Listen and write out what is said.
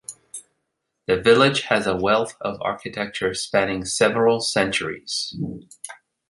The village has a wealth of architecture spanning several centuries.